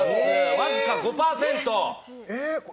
僅か５％。